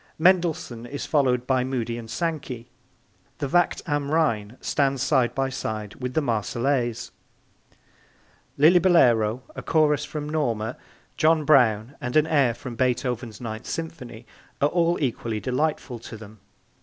Mendelssohn is followed by Moody and Sankey; the Wacht am Rhein stands side by side with the Marseillaise; Lillibulero, a chorus from Norma, John Brown and an air from Beethoven's Ninth Symphony are all equally delightful to them.